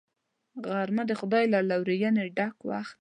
غرمه د خدای له لورینې ډک وخت دی